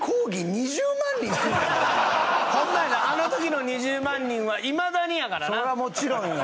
あのときの２０万人はいまだにやからなそらもちろんよ